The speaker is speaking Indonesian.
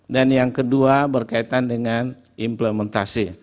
dan yang kedua berkaitan dengan implementasi